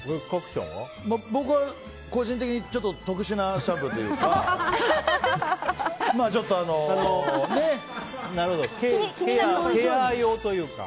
僕は個人的にちょっと特殊なシャンプーというか。